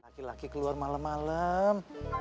laki laki keluar malam malam